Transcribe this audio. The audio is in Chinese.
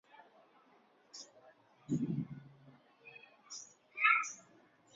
沙普沙农村居民点是俄罗斯联邦沃洛格达州哈罗夫斯克区所属的一个农村居民点。